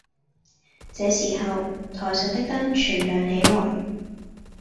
這時候台上的燈全亮起來